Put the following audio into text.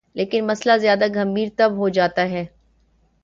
لیکن مسئلہ زیادہ گمبھیر تب ہو جاتا ہے۔